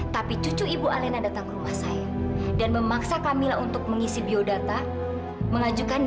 sampai jumpa di video selanjutnya